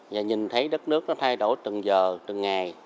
và nhìn thấy đất nước nó thay đổi từng giờ từng ngày